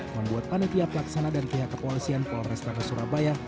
membuat panitia pelaksana dan pihak kepolisian polrestabes surabaya